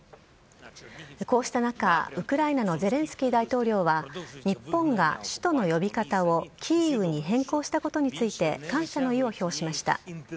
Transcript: こうした中、ウクライナのゼレンスキー大統領は日本が首都の呼び方をキーウに変更したことについて感謝の意を表しました。